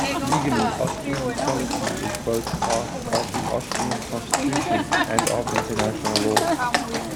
Legally, Austrian neutrality is both part of the Austrian constitution and of international law.